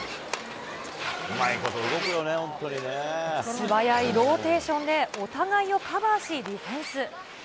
素早いローテーションでお互いをカバーし、ディフェンス。